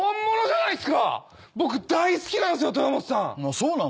そうなの？